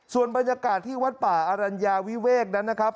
ส่วนบรรยากาศที่วัดป่าอรัญญาวิเวกนั้นนะครับ